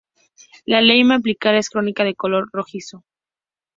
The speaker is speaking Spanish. La yema apical es cónica de color rojizo.